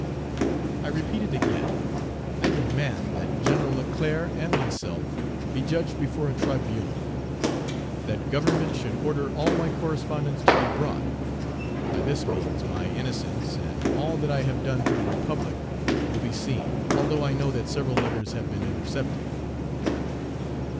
I repeat it again: I demand that Gen. Leclerc and myself be judged before a tribunal; that Government should order all my correspondence to be brought; by this means my innocence, Page 328 and all that I have done for the Republic will be seen, although I know that several letters have been intercepted.